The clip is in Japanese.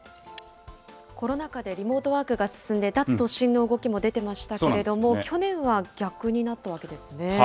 コロナ禍でリモートワークが進んで、脱都心の動きも出てましたけれども、去年は逆になったわけですね。